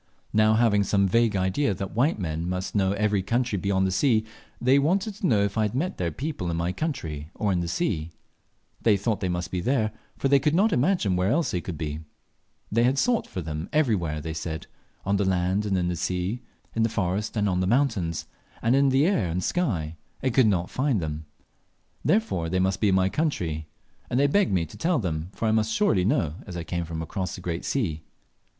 Now having some vague idea that white men must know every country beyond the sea, they wanted to know if I had met their people in my country or in the sea. They thought they must be there, for they could not imagine where else they could be. They had sought for them everywhere, they said on the land and in the sea, in the forest and on the mountains, in the air and in the sky, and could not find them; therefore, they must be in my country, and they begged me to tell them, for I must surely know, as I came from across the great sea.